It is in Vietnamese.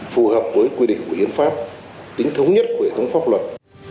phù hợp với quy định của hiến pháp tính thống nhất của hệ thống pháp luật